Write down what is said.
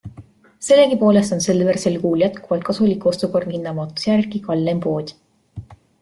Sellegi poolest on Selver sel kuul jätkuvalt Kasuliku ostukorvi hinnavaatluse järgi kalleim pood.